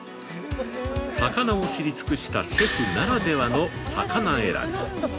◆魚を知り尽くしたシェフならではの魚選び。